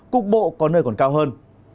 cục bộ có nơi còn cao hơn